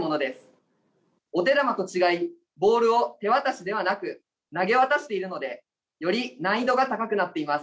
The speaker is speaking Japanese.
お手玉と違いボールを手渡しでなく投げ渡しているのでより難易度が高くなっています。